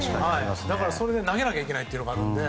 それで投げなきゃいけないというのがあるので。